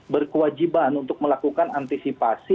berkewajiban untuk melakukan antisipasi